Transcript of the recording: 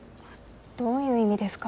どういう意味ですか？